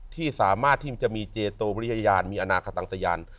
ที่สามารถที่มันจะมีเจโตบริยานมีอนาคตังสยาน